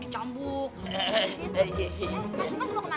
itu kalau kita pegang panas banget kan